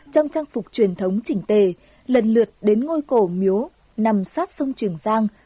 trong trang phục truyền thống chỉnh tề lần lượt đến ngôi cổ miếu nằm sát sông trường giang